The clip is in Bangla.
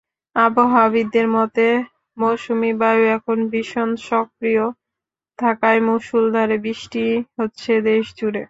আবহাওয়াবিদদের মতে, মৌসুমি বায়ু এখন ভীষণ সক্রিয় থাকায় মুষলধারে বৃষ্টি হচ্ছে দেশজুড়ে।